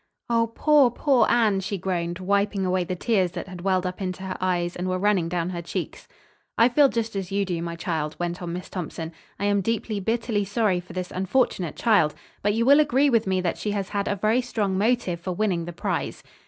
"Oh, poor, poor Anne!" she groaned, wiping away the tears that had welled up into her eyes and were running down her cheeks. "I feel just as you do, my child," went on Miss Thompson. "I am deeply, bitterly sorry for this unfortunate child. But you will agree with me that she has had a very strong motive for winning the prize."